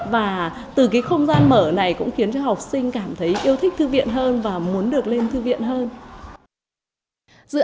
và từ cái không gian mở này cũng khiến cho học sinh cảm thấy yêu thích thư viện hơn và muốn được lên thư viện hơn